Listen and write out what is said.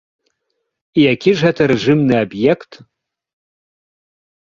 І які ж гэта рэжымны аб'ект?